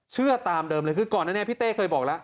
เชื่อตามเดิมเลยคือก่อนอันนี้พี่เต้เคยบอกแล้ว